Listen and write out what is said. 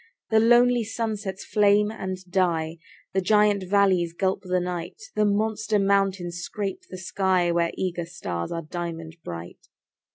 The lonely sunsets flame and die; The giant valleys gulp the night; The monster mountains scrape the sky, Where eager stars are diamond bright.